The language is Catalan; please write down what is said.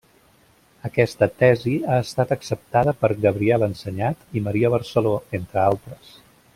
Aquesta tesi ha estat acceptada per Gabriel Ensenyat i Maria Barceló, entre altres.